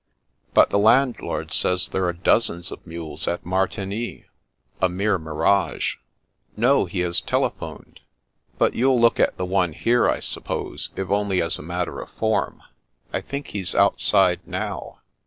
"" But the landlord says there are dozens of mules at Martigny." " A mere mirage." " No, he has telephoned. But you'll look at the one here, I suppose, if only as a matter of form? I think he's outside now."